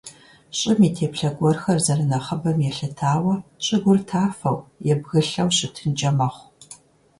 ЩӀым и теплъэ гуэрхэр зэрынэхъыбэм елъытауэ щӀыгур тафэу е бгылъэу щытынкӀэ мэхъу.